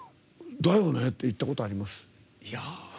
「だよね」って言ったことあります。